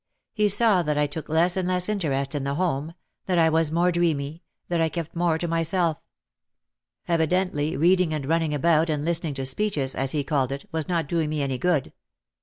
He saw that I took less and less interest in the home, that I was more dreamy, that I kept more to myself. Evidently reading and running about and lis tening to "speeches," as he called it, was not doing me any good.